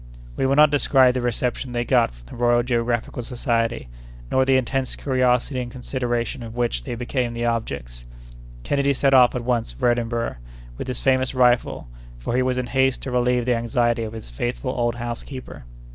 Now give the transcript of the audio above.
We will not describe the reception they got from the Royal Geographical Society, nor the intense curiosity and consideration of which they became the objects. Kennedy set off, at once, for Edinburgh, with his famous rifle, for he was in haste to relieve the anxiety of his faithful old housekeeper.